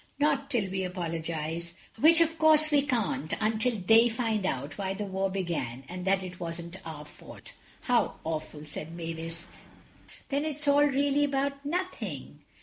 "Not till we apologize, which, of course, we can't until they find out why the war began and that it wasn't our fault." "How awful!" said Mavis; "then it's all really about nothing."